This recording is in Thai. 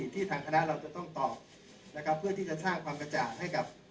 ที่ทางคณะเราจะต้องตอบนะครับเพื่อที่จะสร้างความกระจ่างให้กับ